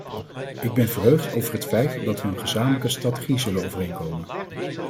Ik ben verheugd over het feit dat we een gezamenlijke strategie zullen overeenkomen.